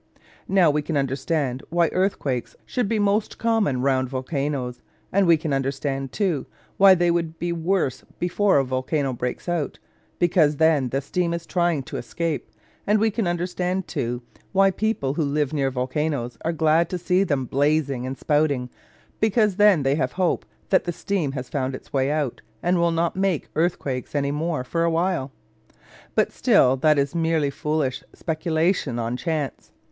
Now we can understand why earthquakes should be most common round volcanos; and we can understand, too, why they would be worst before a volcano breaks out, because then the steam is trying to escape; and we can understand, too, why people who live near volcanos are glad to see them blazing and spouting, because then they have hope that the steam has found its way out, and will not make earthquakes any more for a while. But still that is merely foolish speculation on chance.